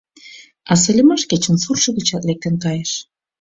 А сайлымаш кечын суртшо гычат лектын кайыш.